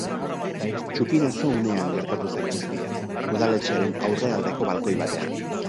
Txupinazo unean gertatu zen guztia, udaletxearen aurrealdeko balkoi batean.